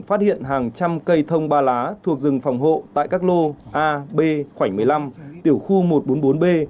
phát hiện hàng trăm cây thông ba lá thuộc rừng phòng hộ tại các lô a b khoảnh một mươi năm tiểu khu một trăm bốn mươi bốn b